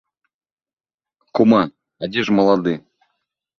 Кума, а дзе ж малады?